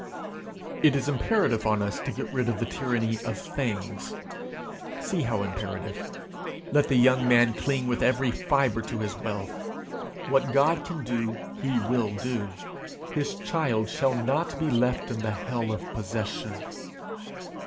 It is imperative on us to get rid of the tyranny of things. See how imperative: let the young man cling with every fibre to his wealth, what God can do he will do; his child shall not be left in the hell of possession!